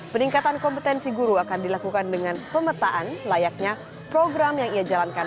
peningkatan kompetensi guru akan dilakukan dengan pemetaan layaknya program yang ia jalankan